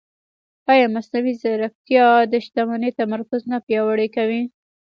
ایا مصنوعي ځیرکتیا د شتمنۍ تمرکز نه پیاوړی کوي؟